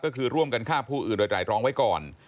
ก็คือร่วมกันฆ่าผู้อื่นโดยไตรรองไว้ก่อน